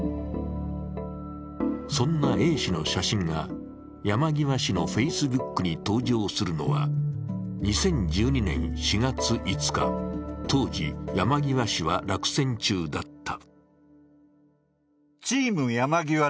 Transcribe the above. そんなＡ氏の写真が山際氏のＦａｃｅｂｏｏｋに登場するのは、２０１２年４月５日、当時、山際氏は落選中だった。